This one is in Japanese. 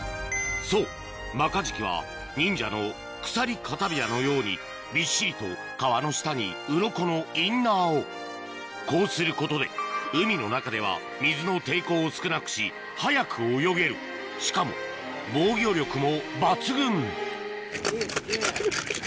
そうマカジキはニンジャの鎖かたびらのようにびっしりと皮の下にウロコのインナーをこうすることで海の中では水の抵抗を少なくし速く泳げるしかも防御力も抜群！